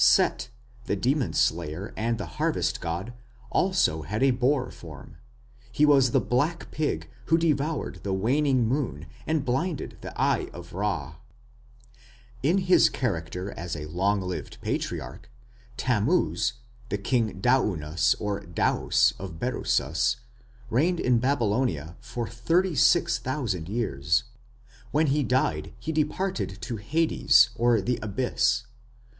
Set, the demon slayer of the harvest god, had also a boar form; he was the black pig who devoured the waning moon and blinded the Eye of Ra. In his character as a long lived patriarch, Tammuz, the King Daonus or Daos of Berosus, reigned in Babylonia for 36,000 years. When he died, he departed to Hades or the Abyss.